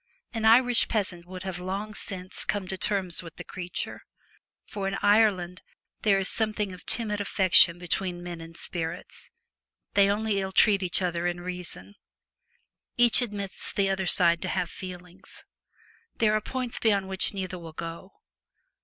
An Irish peasant would have long since come to terms with the creature. For in Ireland there is something of timid affection between men and spirits. They only ill treat each other in reason. Each admits the other side to have feelings. There are points beyond which neither will go.